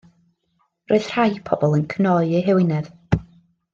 Roedd rhai pobl yn cnoi eu hewinedd.